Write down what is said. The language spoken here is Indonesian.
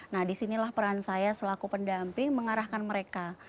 nah di sinilah peran saya selaku pendamping mengarahkan mereka